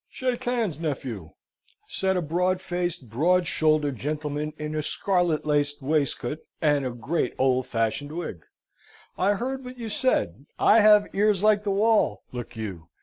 "Shake hands, nephew," said a broad faced, broad shouldered gentleman, in a scarlet laced waistcoat, and a great old fashioned wig. "I heard what you said. I have ears like the wall, look you.